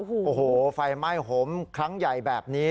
โอ้โหไฟไหม้หมครั้งใหญ่แบบนี้